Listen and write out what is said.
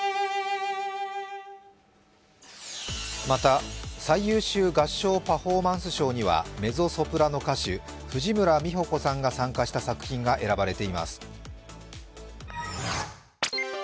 また最優秀合唱パフォーマンス賞にはメゾソプラノ歌手、藤村実穂子さんが参加した作品が選ばれています。